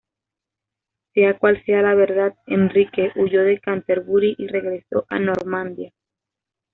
Sea cual sea la verdad, Enrique huyó de Canterbury y regresó a Normandía.